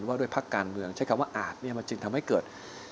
ว่าด้วยพักการเมืองใช้คำว่าอาจเนี่ยมันจึงทำให้เกิด